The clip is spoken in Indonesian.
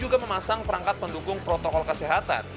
juga memasang perangkat pendukung protokol kesehatan